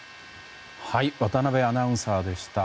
渡辺アナウンサーでした。